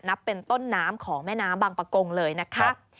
นับเป็นต้นน้ำของแม่น้ำบางประกงเลยนะคะ